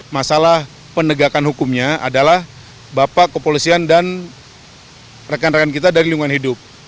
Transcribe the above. masalah penegakan hukumnya adalah bapak kepolisian dan rekan rekan kita dari lingkungan hidup